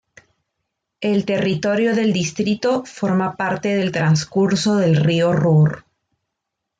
El territorio del distrito forma parte del transcurso del río Ruhr.